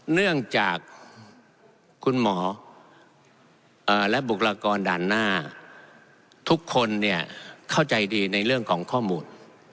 เนื่องจากคุณหมอและบุคลากรด่านหน้าทุกคนเนี่ยเข้าใจดีในเรื่องของข้อมูล